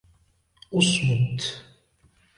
اصمت!